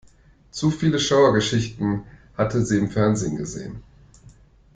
Zu viele Schauergeschichten hatte sie im Fernsehen gesehen.